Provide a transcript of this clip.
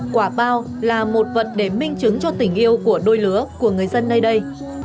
quả bao là một vật để minh chứng cho tình yêu của đôi lứa của người dân nơi đây